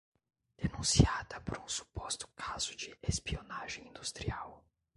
Denunciada por um suposto caso de espionagem industrial